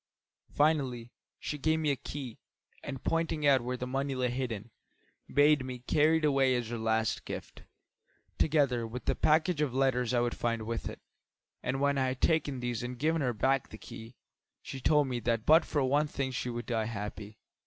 Finally, she gave me a key, and pointing out where the money lay hidden, bade me carry it away as her last gift, together with the package of letters I would find with it. And when I had taken these and given her back the key, she told me that but for one thing she would die happy.